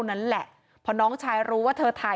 กังฟูเปล่าใหญ่มา